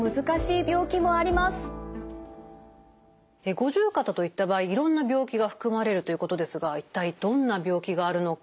五十肩といった場合いろんな病気が含まれるということですが一体どんな病気があるのか。